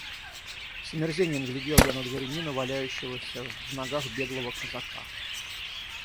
С омерзением глядел я на дворянина, валяющегося в ногах беглого казака.